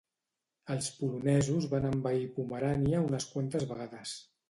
Els polonesos van envair Pomerània unes quantes vegades.